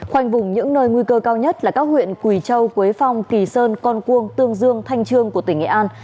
khoanh vùng những nơi nguy cơ cao nhất là các huyện quỳ châu quế phong kỳ sơn con cuông tương dương thanh trương của tỉnh nghệ an